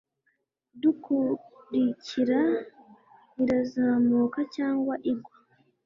Kudukurikira irazamuka cyangwa igwa